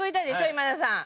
今田さん。